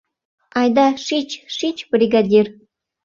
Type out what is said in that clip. — Айда, шич, шич, бригадир!